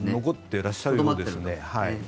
残ってらっしゃるようです。